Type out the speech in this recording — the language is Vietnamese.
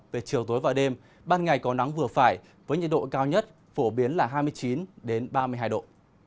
về chiều tối và đêm ban ngày có nắng vừa phải với nhiệt độ cao nhất phổ biến là hai mươi chín ba mươi hai độ